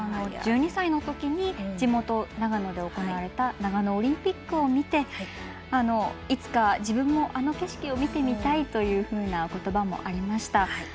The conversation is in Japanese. １２歳のときに地元・長野で行われた長野オリンピックを見ていつか自分もあの景色を見てみたいということばもありました。